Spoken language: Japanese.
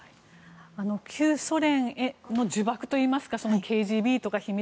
旧ソ連の呪縛といいますかＫＧＢとか秘密